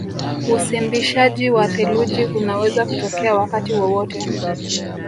Usimbishaji wa theluji unaweza kutokea wakati wowote